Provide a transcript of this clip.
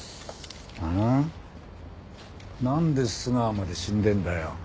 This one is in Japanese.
なんで須川まで死んでんだよ。